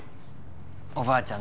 おばあちゃん